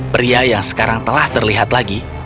pria yang sekarang telah terlihat lagi